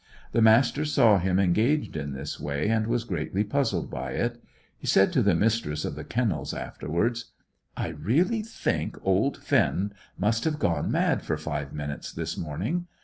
The Master saw him engaged in this way, and was greatly puzzled by it. He said to the Mistress of the Kennels afterwards "I really think old Finn must have gone mad for five minutes this morning.